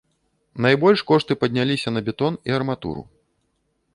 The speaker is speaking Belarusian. Найбольш кошты падняліся на бетон і арматуру.